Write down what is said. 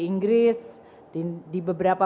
inggris di beberapa